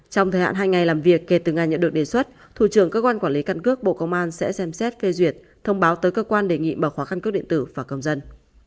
trong thời hạn hai ngày làm việc kể từ ngày nhận được đề xuất thủ trưởng cơ quan quản lý căn cước bộ công an sẽ xem xét phê duyệt thông báo tới cơ quan đề nghị mở khóa căn cước điện tử và công dân